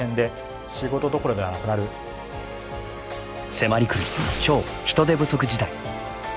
迫りくる「超・人手不足時代」。